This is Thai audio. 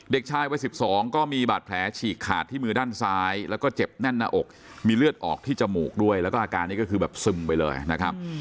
เด็กชายวัย๑๒ก็มีบาดแผลฉีกขาดที่มือด้านซ้ายแล้วก็เจ็บแน่นหน้าอกมีเลือดออกที่จมูกด้วยแล้วก็อาการนี้ก็คือแบบซึมไปเลยนะครับ